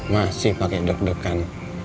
masih pake dok dokan